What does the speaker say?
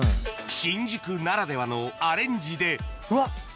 新宿ならではのアレンジでうわ